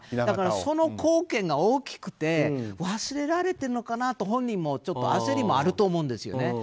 だから、その貢献が大きくて忘れられてるのかなと本人も焦りもあると思うんですよね。